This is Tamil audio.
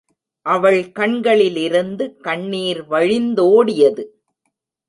அவள் கண்களிலிருந்து கண்ணீர் வழிந்தோடியது.